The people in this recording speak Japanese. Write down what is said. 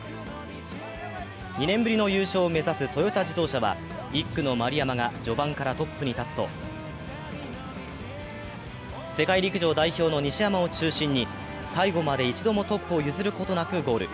２年ぶりの優勝を目指すトヨタ自動車は１区の丸山が序盤からトップに立つと、世界陸上代表の西山を中心に最後まで１度もトップを譲ることなくゴール。